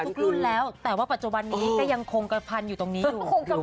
รุ่นแล้วแต่ว่าปัจจุบันนี้ก็ยังคงกระพันอยู่ตรงนี้